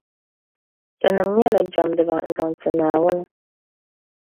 Ti nim nyɛla jεmdiba n-zaŋ ti Naawuni